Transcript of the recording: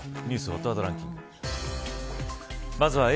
ニュースＨＯＴワードランキング。